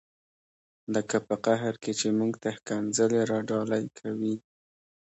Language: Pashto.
لکه په قهر کې چې موږ ته ښکنځلې را ډالۍ کوي.